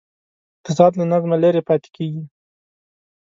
اقتصاد له نظمه لرې پاتې کېږي.